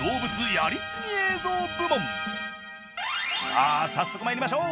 さあ早速参りましょう。